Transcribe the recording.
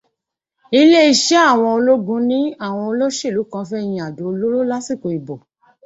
Iléeṣé àwọn ológun ní àwọn olóṣèlú kan fẹ́ yin àdó olóró lásìkò ìbò.